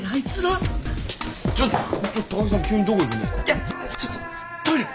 いやちょっとトイレ。